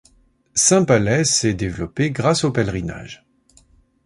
Saint-Palais s'est développée grâce aux pèlerinages.